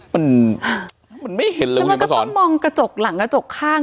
มันมันไม่เห็นเลยมันก็ต้องมองกระจกหลังกระจกข้าง